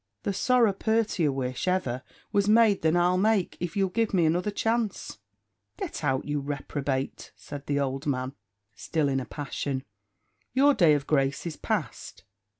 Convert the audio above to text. The sorra purtier wish ever was made than I'll make, if you'll give me another chance." "Get out, you reprobate," said the old fellow, still in a passion. "Your day of grace is past.